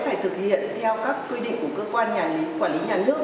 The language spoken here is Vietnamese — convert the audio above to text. phải thực hiện theo các quy định của cơ quan nhà quản lý nhà nước